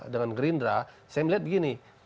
dengan gerindra saya melihat begini